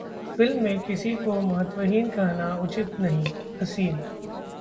film में किसी को 'महत्वहीन' कहना उचित नहीं: असिन